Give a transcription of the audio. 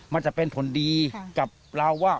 มันจะเป็นผลดีกับเราว่า